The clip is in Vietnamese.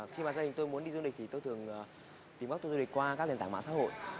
khi mà gia đình tôi muốn đi du lịch thì tôi thường tìm bắt tour du lịch qua các liên tả mạng xã hội